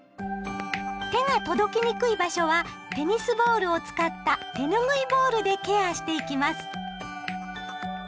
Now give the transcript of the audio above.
手が届きにくい場所はテニスボールを使った手ぬぐいボールでケアしていきます。